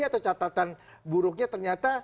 atau catatan buruknya ternyata